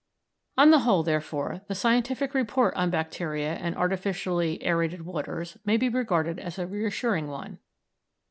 On the whole, therefore, the scientific report on bacteria and artificially aërated waters may be regarded as a reassuring one.